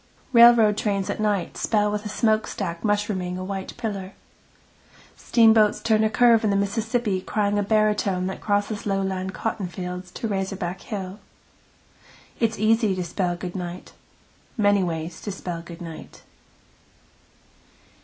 Railroad trains at night spell with a smokestack mushrooming a white pillar. Steamboats turn a curve in the Mississippi crying a baritone that crosses lowland cottonfields to razorback hill. It is easy to spell good night. Many ways to spell good night.